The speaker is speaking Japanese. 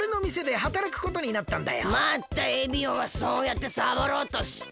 またエビオはそうやってサボろうとして。